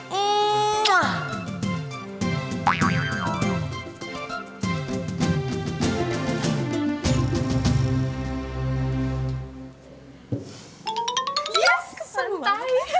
yes ke pantai